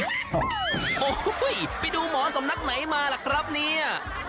โอ้โหไปดูหมอสำนักไหนมาล่ะครับเนี่ย